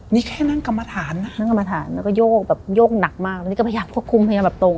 นี่แค่นั่งกรรมฐานนะนั่งกรรมฐานแล้วก็โยกแบบโยกหนักมากแล้วนี่ก็พยายามควบคุมพยายามแบบตรง